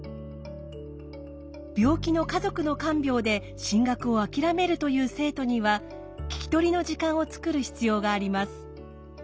病気の家族の看病で進学をあきらめるという生徒には聞き取りの時間を作る必要があります。